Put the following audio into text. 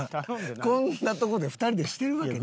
こんなとこで２人でしてるわけないやろ。